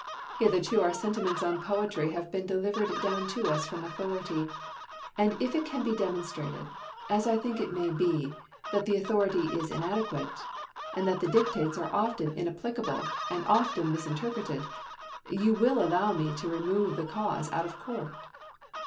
Hitherto our sentiments on poetry have been delivered down to us from authority ; and if it can be demonstrated, as I think it may be, that the authority is inadequate, and that the dictates are often inapplicable and often misinter preted, you will allow me to remove the cause out of court.